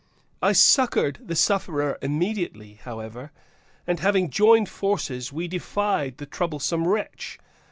I succored the sufferer immediately, however,) and having joined forces, we defied the troublesome wretch.